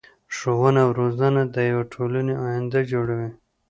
ښوونه او روزنه د يو ټولنی اينده جوړوي .